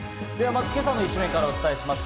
まずは今朝の一面からお伝えします。